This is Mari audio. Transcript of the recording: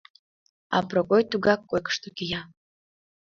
А Прокой тугак койкышто кия.